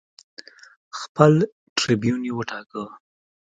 خپل ټربیون یې وټاکه